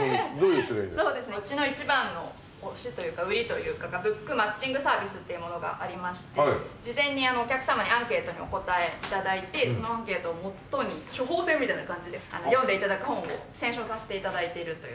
そうですねうちの一番の押しというか売りというかブックマッチングサービスっていうものがありまして事前にお客様にアンケートにお答え頂いてそのアンケートを元に処方箋みたいな感じで読んで頂く本を選書させて頂いてるという。